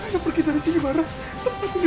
terima kasih atas dukunganmu